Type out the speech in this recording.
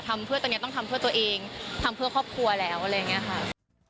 ทำเพื่อตอนนี้ต้องทำเพื่อตัวเองทำเพื่อครอบครัวแล้วอะไรอย่างนี้ค่ะ